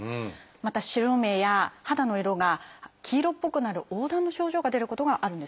また白目や肌の色が黄色っぽくなる黄疸の症状が出ることがあるんですよね。